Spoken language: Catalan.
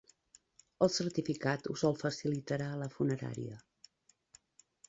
El certificat us el facilitarà la funerària.